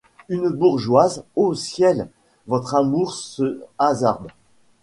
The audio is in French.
Une bourgeoise! ô ciel ! votre amour se hasarde.